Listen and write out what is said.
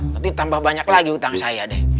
nanti tambah banyak lagi utang saya deh